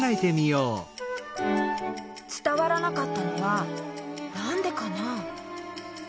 つたわらなかったのはなんでかな？